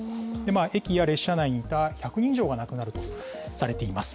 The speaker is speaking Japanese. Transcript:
駅や列車内にいた１００人以上が亡くなったとされています。